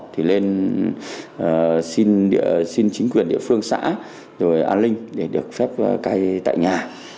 thì lên xin chính quyền địa phương xã rồi an ninh để được phép cai tại nhà